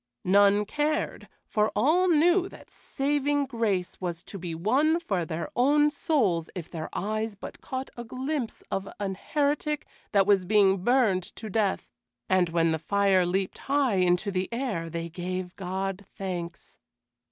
None cared, for all knew that saving grace was to be won for their own souls if their eyes but caught a glimpse of an heretic that was being burned to death, and when the fire leaped high into the air, they gave God thanks.